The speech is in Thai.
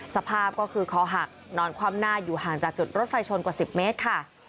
สภาพก็คือคอหักนอนคว่ำหน้าอยู่ห่างจากจุดรถไฟชนกว่า๑๐เมตรค่ะ